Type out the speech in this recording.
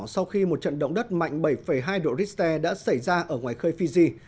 sau khi một trận động đất mạnh bảy hai độ richter đã xảy ra ở ngoài khơi fiji